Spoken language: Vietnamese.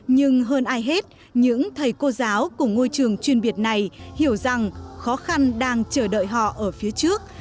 nhưng hơn ai hết những thầy cô giáo của ngôi trường chuyên biệt này hiểu rằng khó khăn đang chờ đợi họ ở phía trước